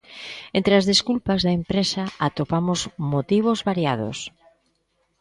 Entre as desculpas da empresa atopamos motivos variados.